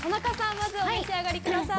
まずお召し上がりください。